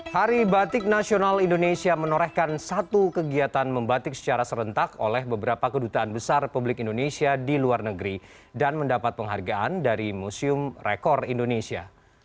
hari batik nasional indonesia menorehkan satu kegiatan membatik secara serentak oleh beberapa kedutaan besar republik indonesia di luar negeri dan mendapat penghargaan dari museum rekor indonesia